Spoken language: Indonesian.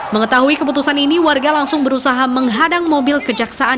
mengetahui keputusan ini warga langsung berusaha menghadang mobil kejaksaan